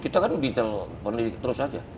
kita kan digital pendidikan terus aja